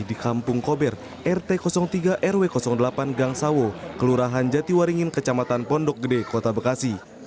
di kampung kober rt tiga rw delapan gangsawo kelurahan jatiwaringin kecamatan pondok gede kota bekasi